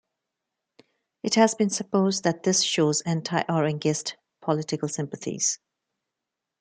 It has been supposed that this shows anti-orangist political sympathies.